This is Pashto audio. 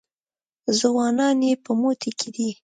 ځوانان یې په موټي کې دي.